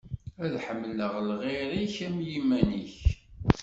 Ad tḥemmleḍ lɣir-ik am yiman-ik.